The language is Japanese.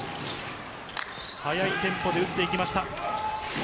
早いテンポで打っていきました。